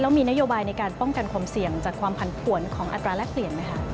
มีนโยบายในการป้องกันความเสี่ยงจากความผันผวนของอัตราแรกเปลี่ยนไหมคะ